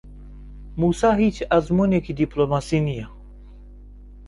مووسا هیچ ئەزموونێکی دیپلۆماسی نییە.